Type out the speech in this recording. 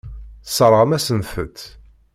Tesseṛɣem-asent-tt.